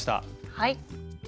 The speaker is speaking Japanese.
はい。